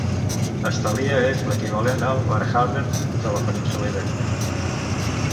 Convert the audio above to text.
Estalia és l'equivalent al Warhammer de la península Ibèrica.